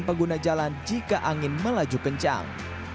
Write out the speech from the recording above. dan pengguna jalan jika angin melaju kencang